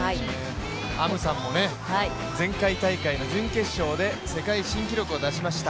アムサンも前回大会の準決勝で世界新記録を出しました。